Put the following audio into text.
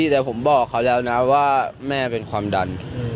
มีความดันเผื่อข้าวบอกเป็นแม่ความดัน